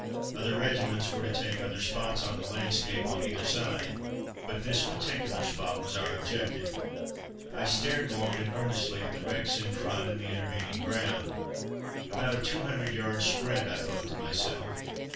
Other regiments were to take other spots on the landscape on either side, but this particular spot was our objective. I stared long and earnestly at the wrecks in front and the intervening ground. "About a two hundred yard sprint," I thought to myself.